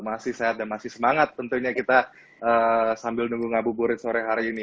masih sehat dan masih semangat tentunya kita sambil nunggu ngabuburit sore hari ini